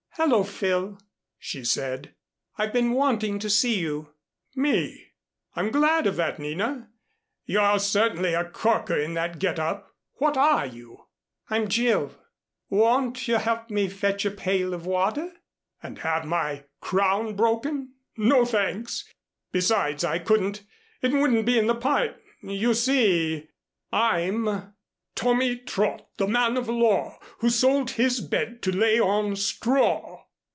"Hello, Phil," she said. "I've been wanting to see you." "Me? I'm glad of that, Nina. You're certainly a corker in that get up. What are you?" "I'm Jill. Won't you help me fetch a pail of water?" "And have my crown broken? No, thanks. Besides I couldn't. It wouldn't be in the part. You see I'm "'Tommy Trot, the man of law, Who sold his bed to lay on straw.